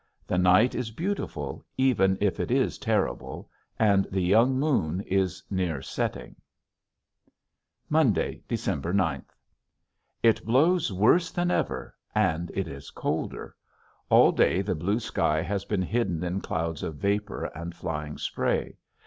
The night is beautiful even if it is terrible; and the young moon is near setting. [Illustration: MAN] Monday, December ninth. It blows worse than ever, and it is colder. All day the blue sky has been hidden in clouds of vapor and flying spray.